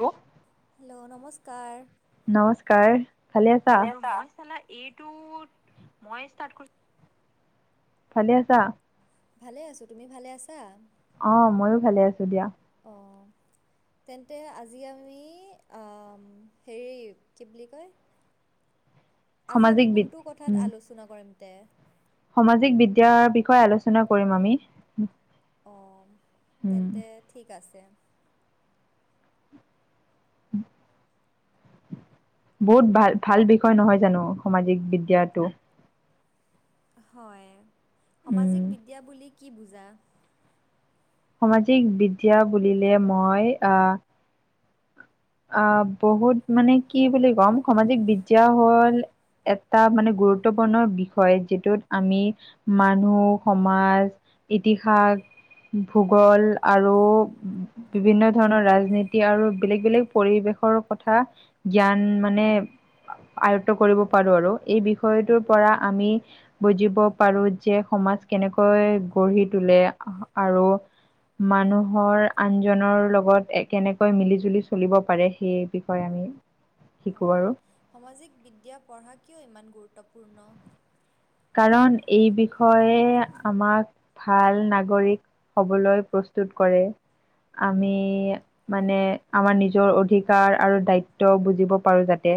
Hello hello নমস্কাৰ নমস্কাৰ আছা ভালে আছা [unintelligible] এইটোত মই ষ্টাৰ্ট কৰিছোঁ ভালেই আছা ভালে আছোঁ তুমি ভালে আছা অ মইয়ো ভালে আছোঁ দিয়া অঁ তেন্তে আজি আমি অ হেৰি কি বুলি কয় আজি আমি সামাজিক বি কোনটো কথাত উম আলোচনা কৰিম তে সামাজিক বিদ্যাৰ বিষয়ে আলোচনা কৰিম আমি অঁ উম তেন্তে ঠিক আছে [inaudible] বহুত ভাল ভাল বিষয় নহয় জানোঁ সামাজিক বিদ্যাটো হয় উম সামাজিক বিদ্যা বুলি কি বুজা সামাজিক বিদ্যা বুলিলে মই আহ আহ বহুত মানে কি বুলি কম সামাজিক বিদ্যা হ'ল এটা মানে গুৰুত্বপূৰ্ণ বিষয় যিটোত আমি মানুহ সমাজ ইতিহাস ভূগোল আৰু বিভিন্ন ধৰণৰ ৰাজনীতি আৰু বেলেগ বেলেগ পৰিৱেশৰ কথা জ্ঞান মানে আয়ত্ত কৰিব পাৰোঁ আৰু এই বিষয়টোৰ পৰা আমি বুজিব পাৰোঁ যে সমাজ কেনেকৈ গঢ়ি তোলে আৰু মানুহৰ আনজনৰ লগত কেনেকৈ মিলি জুলি চলিব পাৰে সেই বিষয়ে আমি শিকোঁ আৰু সামাজিক বিদ্যা পঢ়া কিয় ইমান গুৰুত্বপূৰ্ণ কাৰণ এই বিষয়ে আমাক ভাল নাগৰিক হ'বলৈ প্ৰস্তুত কৰে আমি মানে আমাৰ নিজৰ অধিকাৰ আৰু দায়িত্ব বুজিব পাৰোঁ যাতে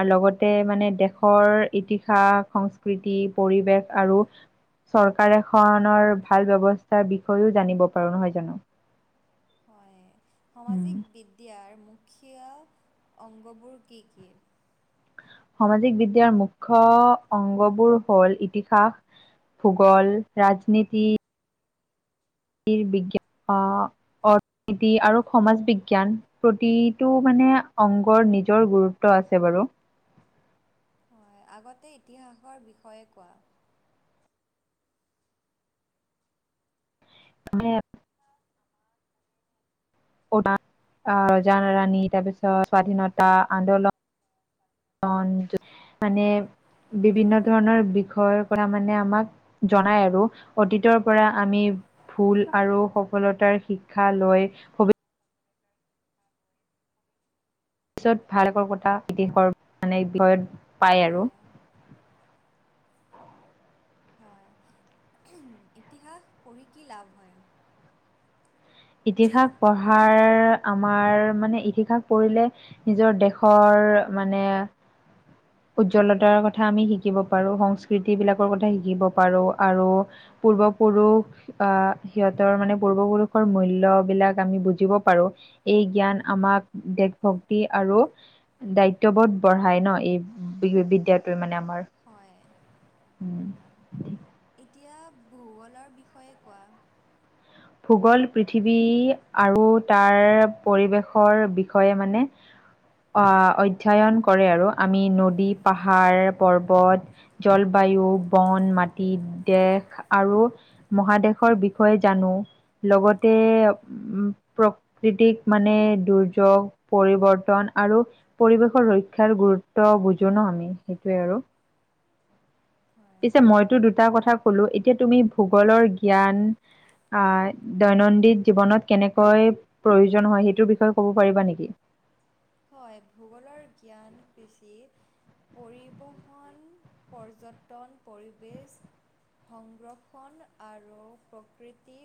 আৰু লগতে মানে দেশৰ ইতিহাস সংস্কৃতি পৰিৱেশ আৰু চৰকাৰ এখনৰ ভাল ব্যস্থাৰ বিষয়েও জানিব পাৰোঁ নহয় জানো হয় উম। সামাজিক বিদ্যাৰ মুখীয়া অংগবোৰ কি কি সামাজিক বিদ্যাৰ মূখ্য অংগসমুহ হ'ল ইতিহাস ভূগল ৰাজনীতি বিজ্ঞান অৰ্থনীতি আৰু সমাজ বিজ্ঞান প্ৰতিটো মানে অংগৰ নিজৰ গুৰুত্ব আছে বাৰু হয় আগতে ইতিহাসৰ বিষয়ে কোৱা [unintelligible] [unintelligible] উদ আহ ৰজা ৰাণী তাৰপিছত স্বাধীনতা আন্দোলন। মানে বিভিন্ন ধৰণৰ বিষয়ৰ পৰা মানে আমাক। জনাই আৰু অতীতৰ পৰা আমি ভুল আৰু সফলতাৰ শিক্ষা সুবি পিছত ভালকৰ কথা বিদেশৰ মানে বিষয়ত। পায় আৰু হয়। হয়। ইতিহাস পঢ়ি কি লাভ হয়? ইতিহাস পঢ়াৰ। আমাৰ মানে ইতিহাস পঢ়িলে নিজৰ দেশৰ মানে। [unintelligible] উজ্জ্বলতাৰ কথা আমি শিকিব পাৰোঁ, সংস্কৃতিবিলাকৰ কথা শিকিব পাৰোঁ আৰু পূৰ্ব পুৰুষ আহ সিহঁতৰ মানে পূৰ্ব পুৰুষ। মূল্যবিলাক আমি বুজিব পাৰোঁ। এই জ্ঞান আমাক দেশ ভক্তি আৰু দায়িত্ববোধ বঢ়াই ন এই বি বিদ্যয়াতয়ে মানে আমাৰ। হয়, উম। হয়। এতিয়া ভূগোলৰ বিষয়ে কোৱা। ভূগোল পৃথিৱী আৰু তাৰ পৰিৱেশৰ বিষয়ে মানে। আ অধ্যায়ন কৰে আৰু আমি নদী পাহাৰ পৰ্বত। কেৱল বায়ু, বন, মাটি, দেশ আৰু মহাদেশৰ বিষয়ে জানো লগতে উম প্ৰকৃতিক মানে দুৰ্যোগ পৰিৱৰ্তন আৰু পৰিৱেশৰ ৰক্ষাৰ গুৰুত্ব বুজো ন আমি সেইটোৱে আৰু। [unintelligible] পিছে মইতো দুটা কথা কলো এতিয়া তুমি ভূগোলৰ জ্ঞান আহ দৈনন্দিন জীৱনত কেনেকৈ প্ৰয়োজন হয় সেইটোৰ বিষয়ে ক'ব পাৰিবা নেকি? হয়। ভূগোলৰ জ্ঞান পৰিবহণ, পৰ্যটন, পৰিবেশ। সংৰক্ষণ আৰু প্ৰকৃতি।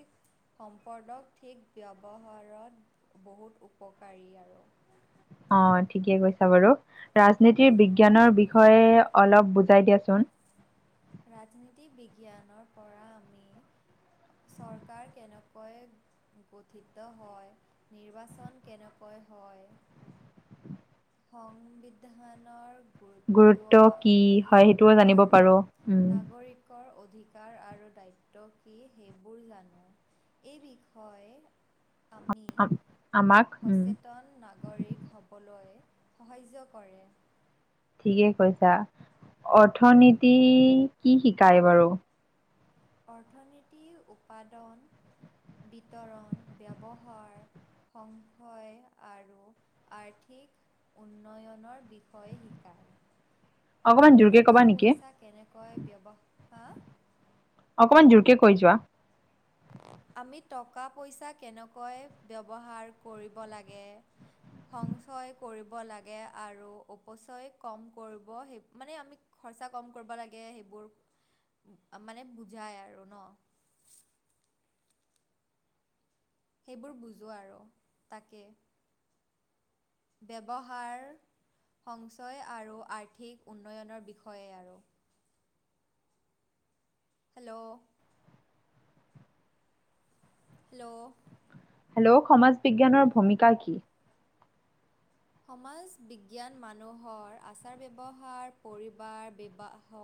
সম্পদক ঠিক ব্যৱহাৰত বহুত উপকাৰী আৰু। অ' ঠিকে কৈছা বাৰু ৰাজনীতিৰ বিজ্ঞানৰ বিষয়ে অলপ বুজাই দিয়াচোন। ৰাজনীতি বিজ্ঞানৰ পৰা আমি চৰকাৰ কেনেকৈ গঠিত হয়। নিৰ্বাচন কেনেকৈ হয়? সংবিধানৰ গুৰুত্ব কি হয় সেইটোও জানিব আৰু পাৰো। উম, নাগৰিক কৰ অধিকাৰ আৰু দ্বায়িত্ব কি হেইবোৰ জানো। এই বিষয়ে আমি। আম- আমাক উম, সচেতন নাগৰিক হ'বলৈ সাহাৰ্য কৰে। ঠিকে কৈছা অৰ্থনীতি কি শিকায় বাৰু? অৰ্থনীতি উপৎদান, বিতৰণ, ব্যৱহাৰ সংশয় আৰু আৰ্থিক। উন্নয়নৰ বিষয়ে শিকায়। অকমান আমি জোৰকে টকা ক'বা নেকি? পইচা কেনেকৈ ব্যৱহাৰ বা আ। অকমান জোৰকে কৈ যোৱা। আমি টকা পইচা কেনেকৈ ব্যৱহাৰ কৰিব লাগে। সঞ্চয় কৰিব লাগে আৰু অপচয় কম কৰিব, সেই, মানে আমি খৰচা কম কৰিব লাগে, সেইবোৰ, মানে বুজায় আৰু ন? সেইবোৰ বুজোঁ আৰু, তাকে ব্যৱহাৰ, সঞ্চয় আৰু আৰ্থিক উন্নয়নৰ বিষয়ে আৰু হেল্ল'। হেল্ল'। হেল্ল', সমাজ বিজ্ঞানৰ ভূমিকা কি? সমাজ বিজ্ঞান মানুহৰ আচাৰ-ব্যৱহাৰ, পৰিবাৰ, বিবাহ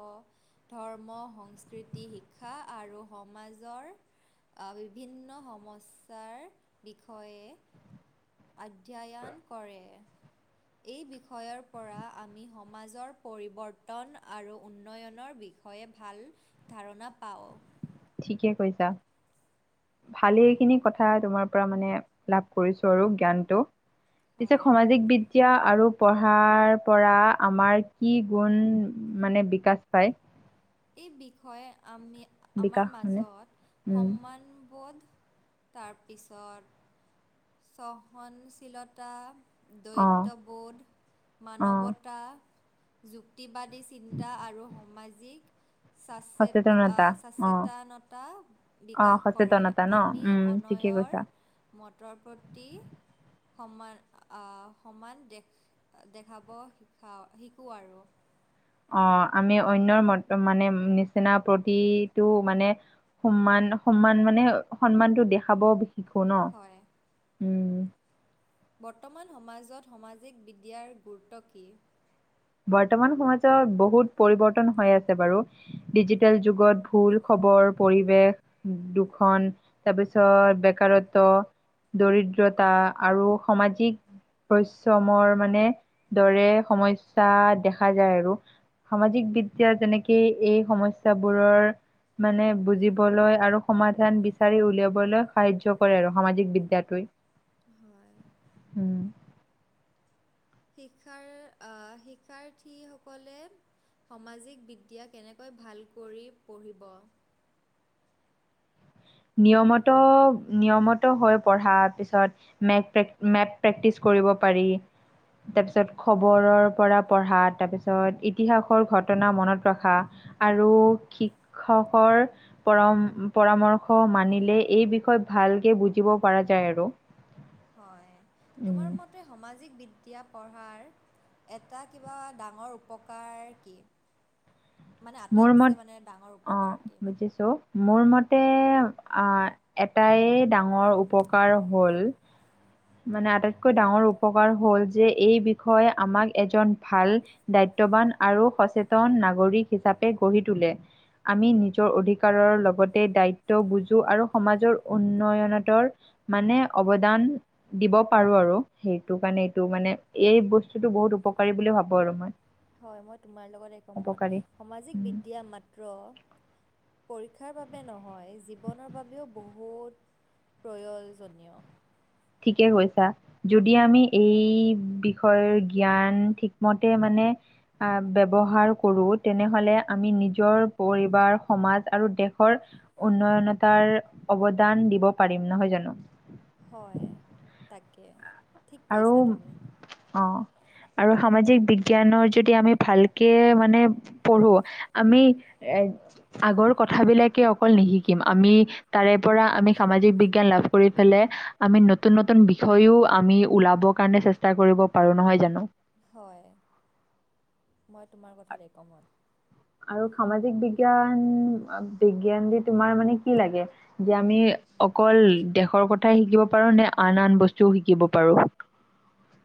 ধৰ্ম, সংস্কৃতি, শিক্ষা আৰু সমাজৰ আ, বিভিন্ন সমস্যাৰ বিষয়ে আধ্যায়ান কৰে। এই বিষয়ৰ পৰা, আমি সমাজৰ পৰিৱৰ্তন আৰু উন্নয়নৰ বিষ ষয়ে, ভাল ধাৰণা পাওঁ। ঠিকে কৈছা, ভালেইখিনি কথা তোমাৰ পুৰা মানে, লাভ কৰিছোঁ আৰু জ্ঞানটো, পিছে হয় সমাজিক বিদ দ্যা আৰু পঢ়াৰ পৰা, আমাৰ কি গুণ, মানে বিকাশ পায়? এই বিষয়ে, আমি আমাৰ বিকাশ মানে মাজত উম সন্মানবোধ তাৰপিছত সহনশীলতা অ দৈত্যবোধ, অ মানৱতা যুক্তিবাদী চিন্তা আৰু সমাজিক চাচেত, আ, সচেতনতা অ চাচেতানতা অ বিকাশ কৰে। সচেতনতা ন আমি উম ঠিকে অনয়ৰ কৈছা [unintelligible] পতি সমান, আ, সমান দেখ, দেখাব শিকা, শিকোঁ আৰু অ', আমি অন্যৰ মত, মানে, নিচিনা প্ৰতিটো মানে সন্মান, সন্মান মানে, সন্মানটো দেখাব শিকোঁ ন? হয় উম। বৰ্তমান সমাজত, সমাজিক বিদ্যাৰ গুৰুত্ব কি? বৰ্তমান সমাজত বহুত পৰিৱৰ্তন হৈ আছে বাৰু ডিজিটেল যুগত, ভুল খবৰ পৰিৱেশ দুখন তাৰপিছত বেকাৰত্ব, দৰিদ্ৰতা আৰু সমাজিক পৰিশ্ৰমৰ মানে, দৰে সমস্যা দেখা যায় আৰু সামাজিক বিদ্যা যেনেকে এই সমস্যাবোৰৰ মানে, বুজিবলৈ আৰু সমাধান বিচাৰি উলিয়াবলৈ সাহায্য কৰে আৰু সমাজিক বিদ্যাটোৱে। [inaudible] হম। শিক্ষাৰ, আ, শিক্ষাৰ্থীসকলে সমাজিক বিদ্যা কেনেকৈ ভাল কৰি পঢ়িব? নিয়মত, নিয়মত হৈ পঢ়াৰ পিছত মেপ প্ৰেক, মেপ প্ৰেক্টিচ কৰিব পাৰি। তাৰপিছত, খবৰৰ পৰা পঢ়া, তাৰপিছত, ইতিহাসৰ ঘটনা মনত ৰখা আৰু শিক্ষকৰ পৰম, পৰামৰ্শ শ, মানিলেই এই বিষয়ে ভালকৈ বুজিব পৰা যায় আৰু হয়, উম, তোমাৰ মতে সমাজিক বিদ্যা পঢ়াৰ এটা কিবা, ডাঙৰ উপকাৰ কি? মানে মোৰ মত আটাইতছে, মানে ডাঙৰ উপকাৰ কি? [unintelligible] মোৰ মতে এটাই ডাঙৰ উপকাৰ হ'ল, মানে আটাইতকৈ ডাঙৰ উপকাৰ হ'ল যে- এই বিষয়ে আমাক এজন ভাল দায়িত্ববান আৰু সচেতন নাগৰিক হিচাপে গঢ়ি তোলে। আমি নিজৰ অধিকাৰৰ লগতে দ্বায়িত্ব বুজো আৰু সমাজৰ উন্নয়নতৰ মানে অৱদান দিব পাৰো আৰু সেইটো কাৰণে এইটো মানে এই বস্তুতটো বহুত উপকাৰী বুলি ভাবো আৰু মই। হয় মই তোমাৰ লগত একমত। উপকাৰী। সামাজিক উম। বিদ্যা মাত্ৰ পৰীক্ষাৰ বাবে নহয়, জীৱনৰ বাবেও বহুত প্ৰয়জনীয়। ঠিকেই কৈছা। যদি আমি এই বিষয়ৰ জ্ঞান ঠিকমতে মানে আহ ব্যৱহাৰ কৰো, তেনেহলে আমি নিজৰ পৰিবাৰ সমাজ আৰু দেশৰ উন্নয়নতাৰ অৱদান দিব পাৰিম নহয় জানোঁ? হয়, তাকে। ঠিক আৰু, কৈছা তুমি অ। আৰু সামাজিক বিজ্ঞানৰ যদি আমি ভালকে মানে পঢ়োঁ, আমি আগৰ কথা বিলাকেই অকল নিশিকিম। আমি তাৰে পৰা আমি সামাজিক বিজ্ঞান লাভ কৰি, [unintelligible] আমি নতুন- নতুন বিষয়ও আমি ওলাবৰ কাৰণে চেষ্টা কৰিব পাৰো, নহয় জানো? হয়। মই তোমাৰ কথাত একমত। আৰু সামাজিক বিজ্ঞান! বিজ্ঞান দি তোমাৰ মানে কি লাগে? যে আমি অকল দেশৰ কথাই শিকিব পাৰো নে আন আন বস্তুও শিকিব পাৰো।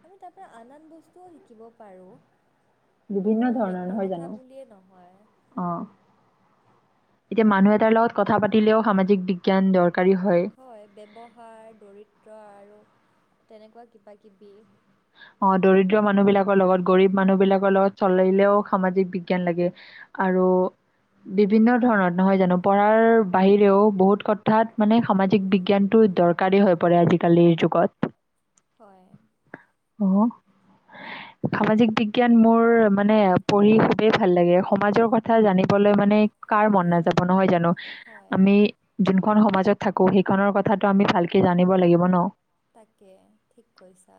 আমি তাৰ পৰা আন-আন বস্তুও শিকিব পাৰো। বিভিন্ন অকল ধৰণৰ দেশৰ নহয় জানো কথা বুলিয়েই নহয়। অ এতিয়া মানুহ এটাৰ লগত কথা পাতিলেও সামাজিক বিজ্ঞান দৰকাৰী হয়। হয় ব্যৱহাৰ, দৰিদ্ৰ আৰু তেনেকুৱা কিবা কিবি অ দৰিদ্ৰ মানুহ বিলাকৰ লগত গৰীব মানুহ বিলাকৰ লগত চলিলেও সামাজিক বিজ্ঞান লাগে আৰু বিভিন্ন ধৰণ নহয় জানো? পঢ়াৰ হয় বাহিৰেও বহুত কথা [unintelligible] মানে সামাজিক বিজ্ঞানটো দৰকাৰেই হৈ পৰে আজিকালিৰ যুগত। হয়। [unintelligible] [inaudible] সামাজিক বিজ্ঞান মোৰ মানে পঢ়ি খুবেই ভাল লাগে। সমাজৰ কথা জানিবলৈ মানে কাৰ মন নাযাব নহয় জানো! হয় আমি যোনখন সমাজত থাকো সেইখনৰ কথাটো আমি ভালকে জানিব লাগিব ন! তাকে ঠিক কৈছা।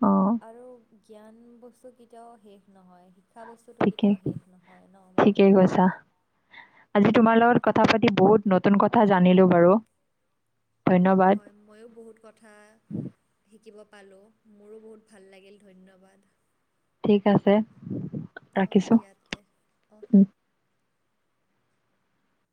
অ, আৰু জ্ঞান বস্তু কেতিয়াও শেষ নহয়। [unintelligible] বস্তুটো ঠিকে কেতিয়াও শেষ নহয় ন ঠিকেই মানুহৰ! কৈছা আজি উম, তোমাৰ লগত কথা পাতি বহুত নতুন কথা জানিলো বাৰু! অ, ধন্যবাদ হয়। ময়ো বহুত কথা শিকিব পালোঁ, মোৰো বহুত ভাল লাগিল। ধন্যবাদ। ঠিক আছে। অ, ৰাখিছো [unintelligible] অ। উম